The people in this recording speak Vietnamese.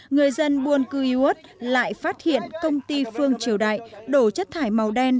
người dân buôn cư u s lại phát hiện công ty phương triều đại đổ chất thải màu đen